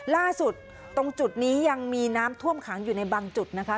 ตรงจุดนี้ยังมีน้ำท่วมขังอยู่ในบางจุดนะคะ